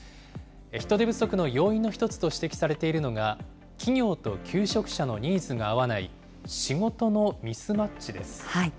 人手不足の要因の一つと指摘されているのが、企業と求職者のニーズが合わない仕事のミスマッチです。